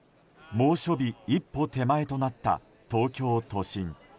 猛暑日一歩手前となった東京都心。